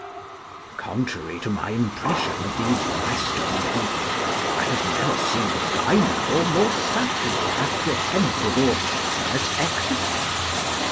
Contrary to my impression of those Western people, I have never seen a finer or more subtly apprehensive audience than at Exeter.